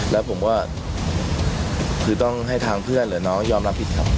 แล้วผมก็คือต้องให้ทางเพื่อนหรือน้องยอมรับผิดครับ